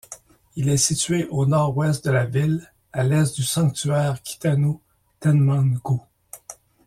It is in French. Il est situé au nord-ouest de la ville, à l'est du sanctuaire Kitano Tenman-gū.